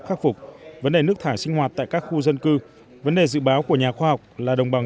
khắc phục vấn đề nước thải sinh hoạt tại các khu dân cư vấn đề dự báo của nhà khoa học là đồng bằng